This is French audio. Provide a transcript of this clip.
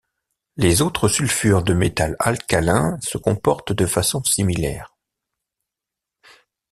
Les autres sulfures de métal alcalin se comportent de façon similaire.